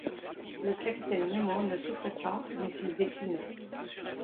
Le capitaine Nemo ne souffrait pas, mais il déclinait